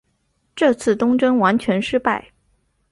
这次东征完全失败。